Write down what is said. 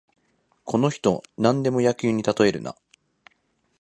この人、なんでも野球にたとえるな